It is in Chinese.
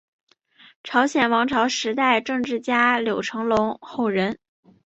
朝鲜王朝时代政治家柳成龙后人。